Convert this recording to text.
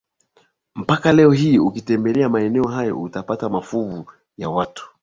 mpaka leo hii ukitembelea maeneo hayo utapata mafuvu ya watu